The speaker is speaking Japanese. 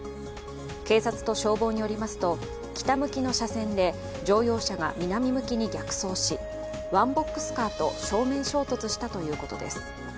警察と消防によりますと北向きの車線で乗用車が南向きに逆走しワンボックスカーと正面衝突したということです。